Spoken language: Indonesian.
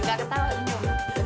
gak ketawa senyum